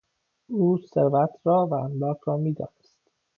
او ثروت را و املاک را میدانست.